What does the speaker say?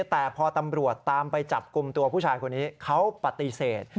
แต่พอตำรวจตามไปจับกลุ่มตัวผู้ชายคนนี้เขาปฏิเสธ